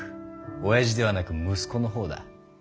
おやじではなく息子の方だ。